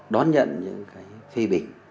đón nhận những cái phê bình